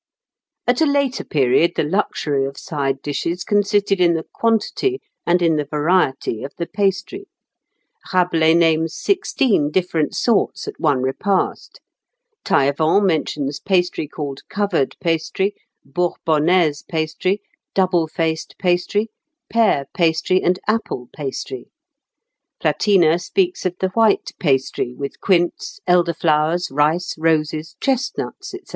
At a later period the luxury of side dishes consisted in the quantity and in the variety of the pastry; Rabelais names sixteen different sorts at one repast; Taillevent mentions pastry called covered pastry, Bourbonnaise pastry, double faced pastry, pear pastry, and apple pastry; Platina speaks of the white pastry with quince, elder flowers, rice, roses, chestnuts, &c.